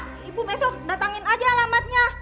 ibu besok datangin aja alamatnya